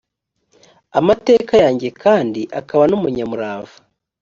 amateka yanjye kandi akaba n umunyamurava